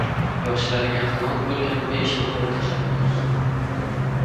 Yoshlarga qanot bo‘lgan besh muhim tashabbus